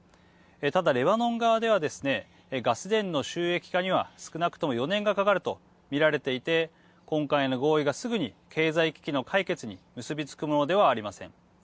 ただレバノン側ではですねガス田の収益化には少なくとも４年がかかると見られていて今回の合意がすぐに経済危機の解決に結び付くものではありません。